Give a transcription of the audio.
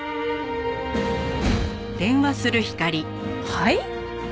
はい？